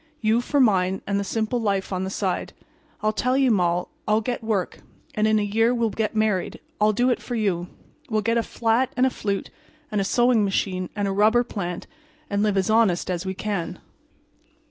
You for mine, and the simple life on the side. I'll tell you, Moll—I'll get work; and in a year we'll get married. I'll do it for you. We'll get a flat and a flute, and a sewing machine and a rubber plant and live as honest as we can."